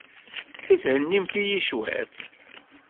I thennimt-iyi cwiṭ?